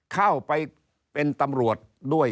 เข้าไปเป็นตำรวจด้วย